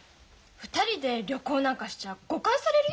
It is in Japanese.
２人で旅行なんかしちゃ誤解されるよ